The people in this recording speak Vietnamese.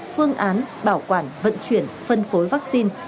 phương án bảo quản vận chuyển phân phối vaccine